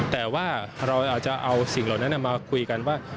แต่ว่าเราอาจจะเอาสิ่งเหล่านั้นมาคุยกันว่า